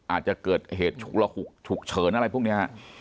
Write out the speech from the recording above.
อาจจะเกิดเหตุฉุกเฉินอะไรพวกนี้ครับ